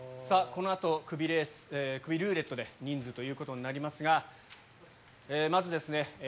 さぁこの後クビルーレットで人数ということになりますがまずですね